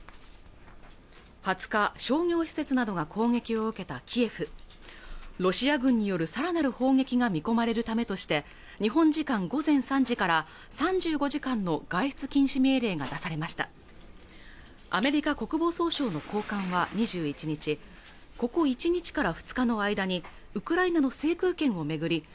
２０日商業施設などが攻撃を受けたキエフロシア軍によるさらなる砲撃が見込まれるためとして日本時間午前３時から３５時間の外出禁止命令が出されましたアメリカ国防総省の高官は２１日ここ１日から２日の間にウクライナの制空権を巡り